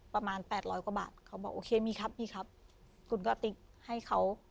ประมาณแปดร้อยกว่าบาทเขาบอกโอเคมีครับมีครับคุณกะติ๊กให้เขา